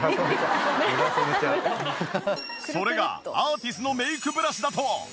それがアーティスのメイクブラシだと。